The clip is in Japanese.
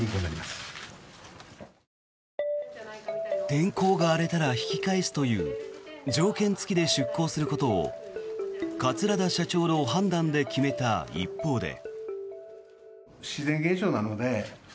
天候が荒れたら引き返すという条件付きで出航することを桂田社長の判断で決めた一方で。